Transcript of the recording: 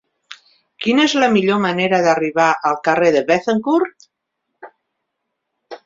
Quina és la millor manera d'arribar al carrer de Béthencourt?